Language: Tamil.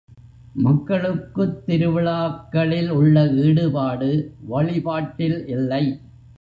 மக்களுக்குத் திருவிழாக்களில் உள்ள ஈடுபாடு வழிபாட்டில் இல்லை.